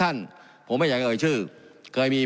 การปรับปรุงทางพื้นฐานสนามบิน